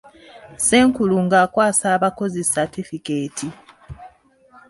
Ssenkulu ng'akwasa abakozi satifikeeti.